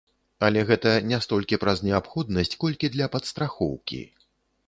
Але гэта не столькі праз неабходнасць, колькі для падстрахоўкі.